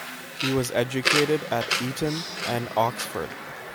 He was educated at Eton and Oxford.